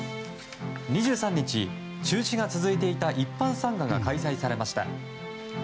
２３日、中止が続いていた一般参賀が開催されました。